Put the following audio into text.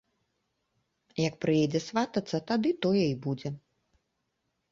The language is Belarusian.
Як прыедзе сватацца, тады тое і будзе.